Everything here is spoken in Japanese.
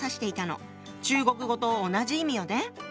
中国語と同じ意味よね。